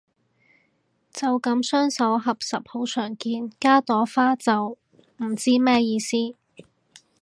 就噉雙手合十好常見，加朵花就唔知咩意思